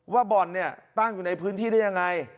บ่อนเนี่ยตั้งอยู่ในพื้นที่ได้ยังไง